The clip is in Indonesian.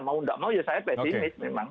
mau tidak mau ya saya pesimis memang